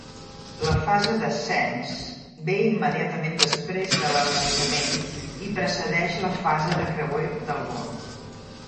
La fase d'ascens ve immediatament després de l'enlairament i precedeix la fase de creuer del vol.